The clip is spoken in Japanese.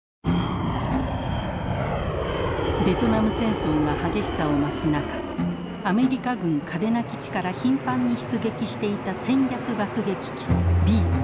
ベトナム戦争が激しさを増す中アメリカ軍嘉手納基地から頻繁に出撃していた戦略爆撃機Ｂ５２。